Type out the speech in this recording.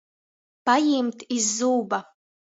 Pajimt iz zūba.